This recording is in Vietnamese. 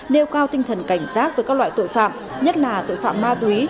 nêu cao tinh thần cảnh giác với các loại tội phạm